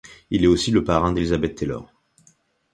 Il est aussi le parrain d'Elizabeth Taylor.